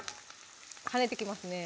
跳ねてきますね